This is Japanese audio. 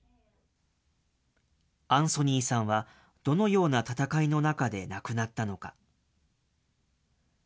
アンソニーさんはどのような戦いの中で亡くなったのか。